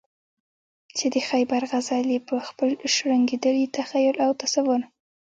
چې د خیبر غزل یې په خپل شرنګېدلي تخیل او تصور.